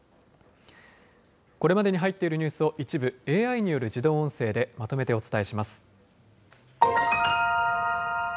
これまでに入っているニュースを一部ＡＩによる自動音声でまとめてお伝えします。